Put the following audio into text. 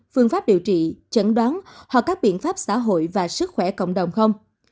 phương pháp điều trị chẩn đoán hoặc các biện pháp xã hội và sức khỏe cộng đồng không